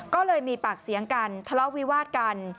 ก็เลยมีปากเสียงกันทะเลาะวิวาดกัน